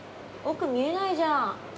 奥見えないじゃん。